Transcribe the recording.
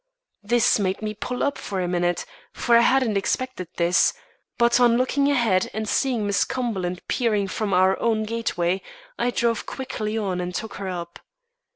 This made me pull up for a minute, for I hadn't expected this; but on looking ahead and seeing Miss Cumberland peering from our own gateway, I drove quickly on and took her up.